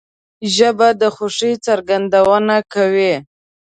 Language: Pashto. ژبه د خوښۍ څرګندونه کوي